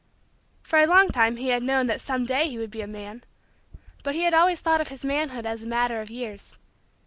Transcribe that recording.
For a long time he had known that some day he would be a man. But he had always thought of his manhood as a matter of years.